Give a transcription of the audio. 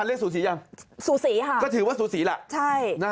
เรียกสูสียังสูสีค่ะก็ถือว่าสูสีล่ะใช่นะ